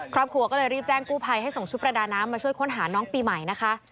ครอบครัวก็เลยรีบแจ้งกู้ภัยให้ส่งชุดประดาน้ำมาช่วยค้นหาน้องปีใหม่นะคะ